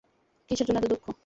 কীসের জন্য এতো দুঃখ?